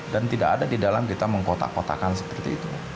dan tidak ada di dalam kita mengkotak kotakan seperti itu